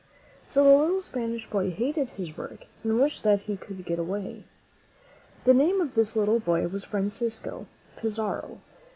So the little Spanish boy hated his work and wished that he could get away. The name of this little boy was Francisco Pizarro.